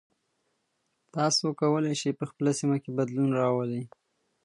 تاسو کولی شئ په خپله سیمه کې بدلون راولئ.